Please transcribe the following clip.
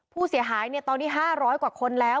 ผู้เสียหายตอนนี้๕๐๐กว่าคนแล้ว